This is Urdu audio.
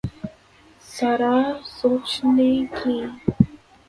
ذرا سوچنے کی۔